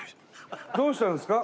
どうしたんですか？